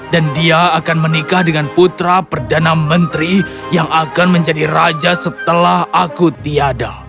dia akan menikah dengan putra perdana menteri yang akan menjadi raja setelah aku tiada